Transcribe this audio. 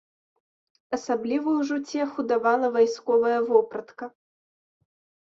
Асаблівую ж уцеху давала вайсковая вопратка.